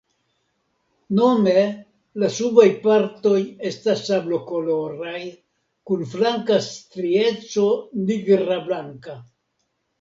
Nome la subaj partoj estas sablokoloraj kun flanka strieco nigrablanka.